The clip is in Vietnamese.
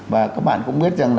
và các bạn cũng biết rằng là